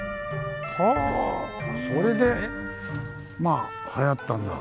はぁそれではやったんだ。